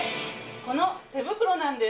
この手袋なんです。